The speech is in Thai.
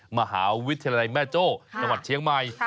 มหาวิทยาลัยแม่โจ้จังหวัดเชียงใหม่